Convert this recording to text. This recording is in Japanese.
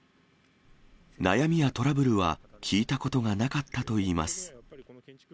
悩みやトラブルは、聞いたことがなかったといいます。